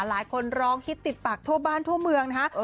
หลายคนร้องฮิตติดปากทั่วบ้านทั่วเมืองนะฮะ